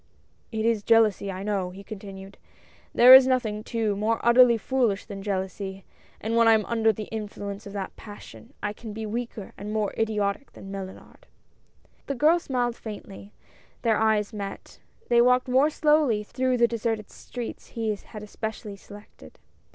"It is jealousy, I know," he continued; "there is nothing, too, more utterly foolish than jealousy, and when I am under the influence of that passion, I can be weaker and more idiotic than Mellunard !" The girl smiled faintly. Their eyes met. They walked more slowly through the deserted streets he had especially selected.